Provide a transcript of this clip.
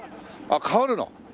あっ変わるの？